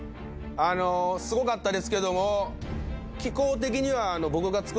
すごかったですけども。